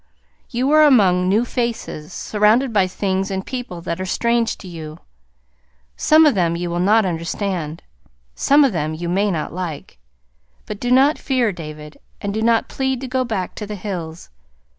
You are among new faces, surrounded by things and people that are strange to you. Some of them you will not understand; some of them you may not like. But do not fear, David, and do not plead to go back to the hills.